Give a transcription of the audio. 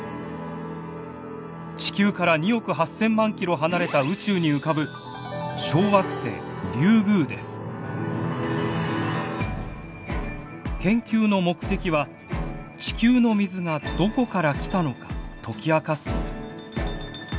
地球から２億８，０００万キロ離れた宇宙に浮かぶ研究の目的は「地球の水がどこから来たのか」解き明かすこと。